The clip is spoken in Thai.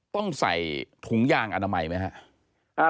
ต้องใส่ถุงยางอนามัยไหมครับ